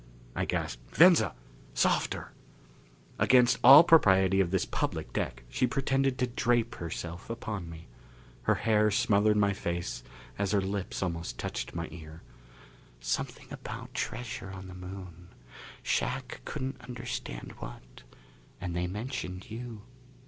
I gasped, "Venza! Softer " Against all propriety of this public deck she pretended to drape herself upon me. Her hair smothered my face as her lips almost touched my ear. "Something about treasure on the Moon. Shac couldn't understand what. And they mentioned you.